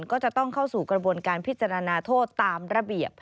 ก็จะต้องเข้าสู่กระบวนการพิจารณาโทษตามระเบียบ